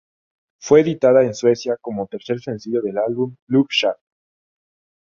Fue editada en Suecia como tercer sencillo del álbum "Look Sharp!